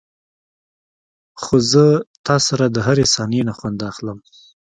خو زه تاسره دهرې ثانيې نه خوند اخلم.